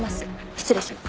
失礼します。